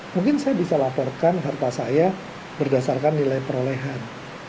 mungkin saya bisa laporkan harta saya berdasarkan nilai perolehan